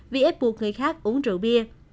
vì ép buộc người khác uống rượu bia